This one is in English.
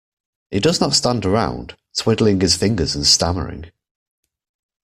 He does not stand around, twiddling his fingers and stammering.